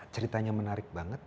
ceritanya menarik banget